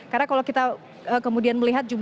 karena kalau kita kemudian melihat juga